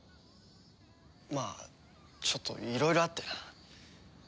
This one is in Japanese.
まあちょっといろいろあってな。